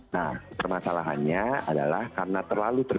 nah permasalahannya adalah karena terlalu terkenal